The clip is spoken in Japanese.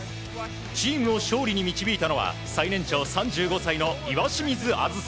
チームを勝利に導いたのは最年長３５歳の岩清水梓。